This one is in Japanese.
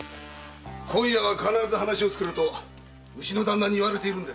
〔今夜は必ず話をつけろとうちの旦那に言われているんでね〕